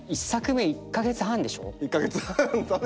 １カ月半。